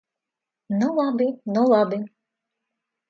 Nu labi, nu labi!